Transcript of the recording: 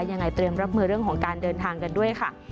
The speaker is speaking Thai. ยังไงเตรียมรับมือเรื่องของการเดินทางกันด้วยค่ะ